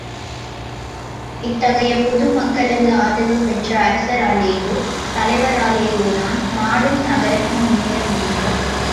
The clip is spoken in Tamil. இத்தகைய பொது மக்களது ஆதரவு பெற்ற அரசராலேயோ, தலைவராலேயோதான் நாடும் நகரமும் முன்னேற முடியும்.